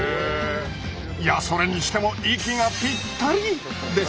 いやそれにしても息がぴったり！ですね。